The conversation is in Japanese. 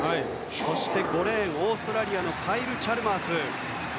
そして、５レーンオーストラリアのカイル・チャルマース。